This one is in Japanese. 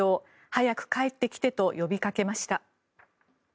早く帰ってきてと呼びかけました。